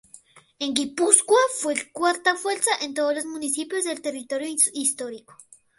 En Guipúzcoa fue cuarta fuerza en todos los municipios del territorio histórico.